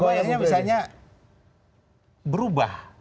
goyangnya misalnya berubah